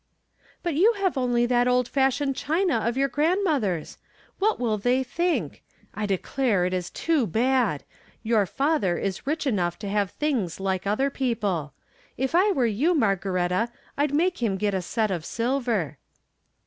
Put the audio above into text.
" But you have only that old fashioned china of your grandmother's ; what will they think ? I declare it is too bad ! Your father is rich enough to have tilings like other people. If I were you, Margaretta, I'd make him get a set of silver."